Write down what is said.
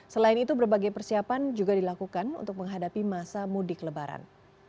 selain itu berbagai persiapan juga dilakukan untuk menghadapi masa mudik lebaran